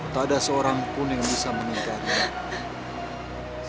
tak ada seorang pun yang bisa meninggalkan